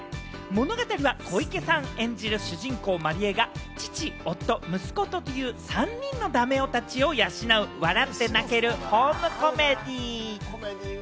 物語は小池さん演じる主人公・万里江が父、夫、息子という３人のダメ男たちを養う笑って泣けるホームコメディ。